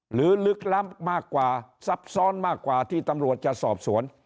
ลึกล้ำมากกว่าซับซ้อนมากกว่าที่ตำรวจจะสอบสวน